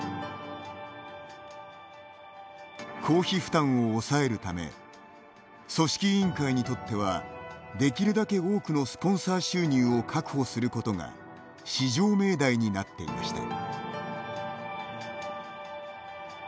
公費負担を抑えるため組織委員会にとってはできるだけ多くのスポンサー収入を確保することが至上命題になっていました。